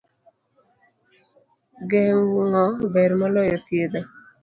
Geng'o ber maloyo thiedho.